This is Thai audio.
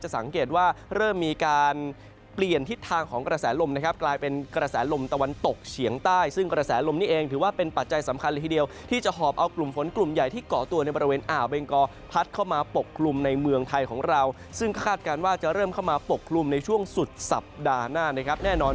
สังเกตว่าเริ่มมีการเปลี่ยนทิศทางของกระแสลมนะครับกลายเป็นกระแสลมตะวันตกเฉียงใต้ซึ่งกระแสลมนี้เองถือว่าเป็นปัจจัยสำคัญเลยทีเดียวที่จะหอบเอากลุ่มฝนกลุ่มใหญ่ที่เกาะตัวในบริเวณอ่าวเบงกอพัดเข้ามาปกกลุ่มในเมืองไทยของเราซึ่งคาดการณ์ว่าจะเริ่มเข้ามาปกกลุ่มในช่วงสุดสัปดาห์หน้านะครับแน่นอน